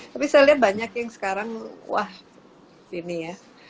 tapi saya lihat banyak yang sekarang wah ini ya